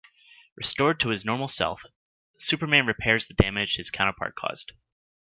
Restored to his normal self, Superman repairs the damage his counterpart caused.